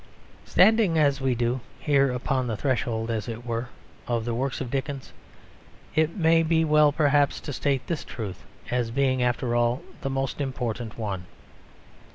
Standing as we do here upon the threshold, as it were, of the work of Dickens, it may be well perhaps to state this truth as being, after all, the most important one.